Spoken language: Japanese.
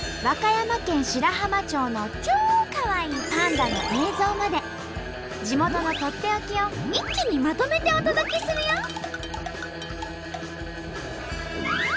和歌山県白浜町の超かわいいパンダの映像まで地元のとっておきを一気にまとめてお届けするよ！